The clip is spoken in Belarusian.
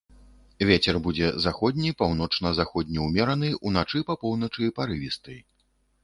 Вецер будзе заходні, паўночна-заходні ўмераны, уначы па поўначы парывісты.